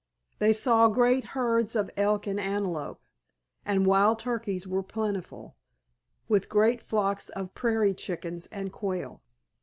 They saw great herds of elk and antelope, and wild turkeys were plentiful, with great flocks of prairie chickens and quail.